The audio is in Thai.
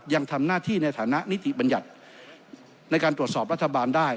ยังทำหน้าที่ในฐานะนิติบัญญัติในการตรวจสอบรัฐบาลได้